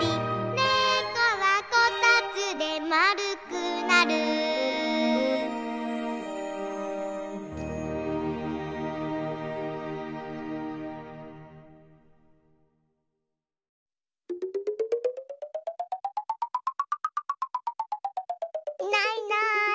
「ねこはこたつでまるくなる」いないいない。